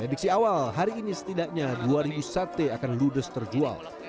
prediksi awal hari ini setidaknya dua sate akan ludes terjual